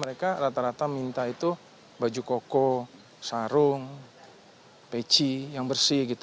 mereka rata rata minta itu baju koko sarung peci yang bersih gitu